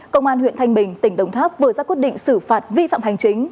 công an huyện thanh bình tỉnh đồng tháp vừa ra quyết định xử phạt vi phạm hành chính